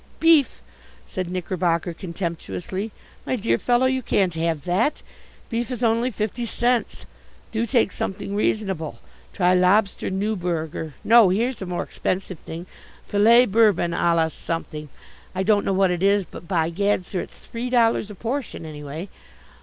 "Beef!" said Knickerbocker contemptuously. "My dear fellow, you can't have that. Beef is only fifty cents. Do take something reasonable. Try Lobster Newburg, or no, here's a more expensive thing Filet Bourbon a la something. I don't know what it is, but by gad, sir, it's three dollars a portion anyway."